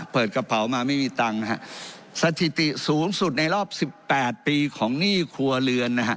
เปิดกระเป๋ามาไม่มีตังค์นะฮะสถิติสูงสุดในรอบสิบแปดปีของหนี้ครัวเรือนนะฮะ